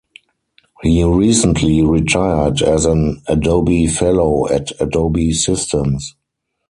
He recently retired as an Adobe Fellow at Adobe Systems.